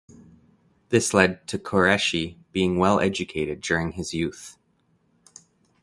This led to Qureshi being well educated during his youth.